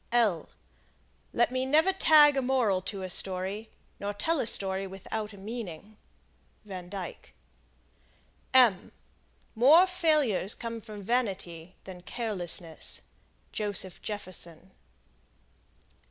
Lord, let me never tag a moral to a story, nor tell a story without a meaning. Van Dyke. More failures come from vanity than carelessness. Joseph Jefferson.